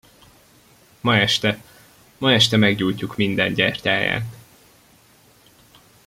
Ma este, ma este meggyújtjuk minden gyertyáját.